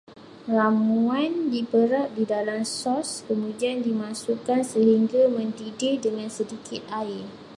Ramuan diperap di dalam sos, kemudian dimasukkan sehingga mendidih dengan sedikit air